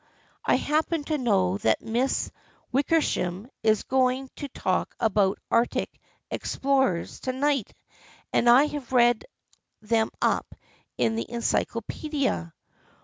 I happen to know that Miss Wickersham is going to talk about Arctic Explorers to night and I have read them up in the Ency clopaedia."